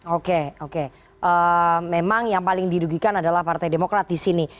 oke oke memang yang paling didugikan adalah partai demokrat di sini